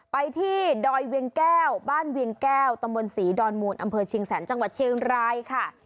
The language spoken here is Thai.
ไปที่ดอยเวียงแก้วบ้านเวียงแก้วตำบลศรีดอนมูลอำเภอเชียงแสนจังหวัดเชียงรายค่ะ